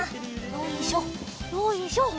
よいしょよいしょ。